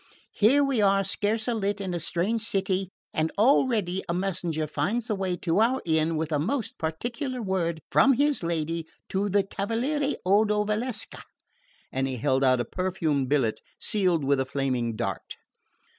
Here we are scarce alit in a strange city, and already a messenger finds the way to our inn with a most particular word from his lady to the Cavaliere Odo Valsecca." And he held out a perfumed billet sealed with a flaming dart.